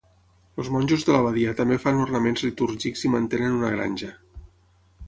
Els monjos de l'abadia també fan ornaments litúrgics i mantenen una granja.